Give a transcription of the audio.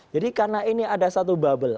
jadi karena ini ada satu bubble